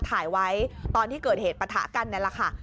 ถ่ายไว้ตอนที่เกิดเหตุปะทะกันนั่นแหละค่ะ